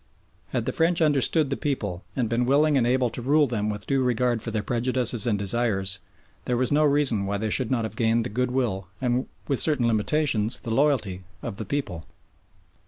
Had the French understood the people and been willing and able to rule them with due regard for their prejudices and desires, there was no reason why they should not have gained the goodwill, and with certain limitations, the loyalty of the people.